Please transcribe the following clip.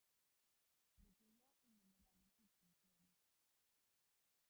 Recibió innumerables distinciones.